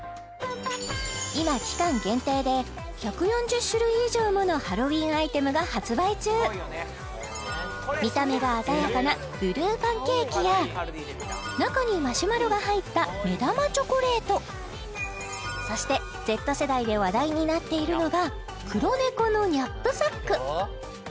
今期間限定でが発売中見た目が鮮やかなブルーパンケーキや中にマシュマロが入った目玉チョコレートそしてＺ世代で話題になっているのが黒猫のニャップサック